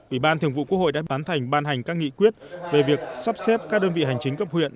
ủy ban thường vụ quốc hội đã bán thành ban hành các nghị quyết về việc sắp xếp các đơn vị hành chính cấp huyện